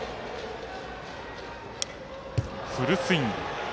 フルスイング。